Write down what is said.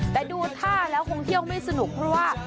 แต่ดูท่าแล้วคงเที่ยวไม่สนุกเพราะว่า